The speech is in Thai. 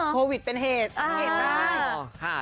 โควิดเป็นเหตุโควิดได้